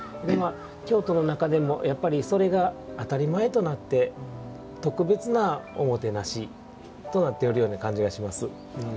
京都の中でもやっぱりそれが当たり前となって特別なおもてなしとなっておるような感じがします。